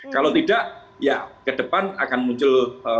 kalau tidak ya ke depan akan muncul